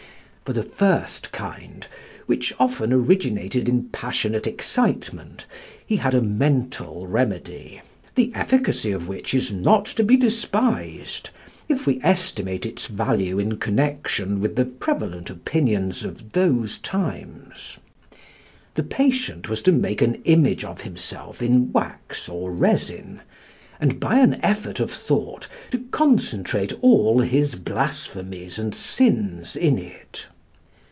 For the first kind, which often originated in passionate excitement, he had a mental remedy, the efficacy of which is not to be despised, if we estimate its value in connection with the prevalent opinions of those times. The patient was to make an image of himself in wax or resin, and by an effort of thought to concentrate all his blasphemies and sins in it.